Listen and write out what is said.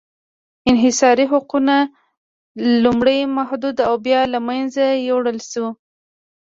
انحصاري حقونه لومړی محدود او بیا له منځه یووړل شول.